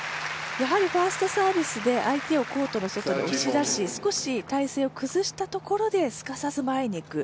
やはりファーストサービスで相手をコートの外に押し出し少し体勢を崩したところですかさず前に行く。